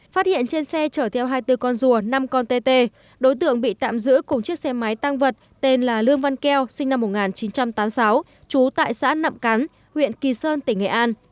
phát hiện trên xe chở theo hai mươi bốn con rùa năm con tt đối tượng bị tạm giữ cùng chiếc xe máy tăng vật tên là lương văn keo sinh năm một nghìn chín trăm tám mươi sáu trú tại xã nậm cắn huyện kỳ sơn tỉnh nghệ an